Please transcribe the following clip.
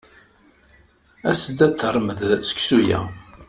As-d ad tarmed seksu-a.